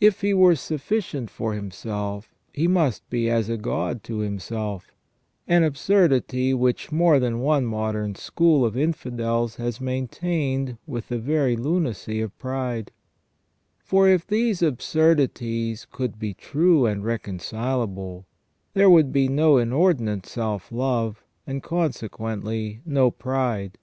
If he were sufficient for himself he must be as a god to himself, an absurdity which more than one modern school of infidels has maintained with the very lunacy of pride. • S. Thomas, Sum. 2. 2. q. 162. a. i. SELF AND CONSCIENCE. 125 For if these absurdities could be true and reconcilable, there would be no inordinate self love, and, consequently, no pride.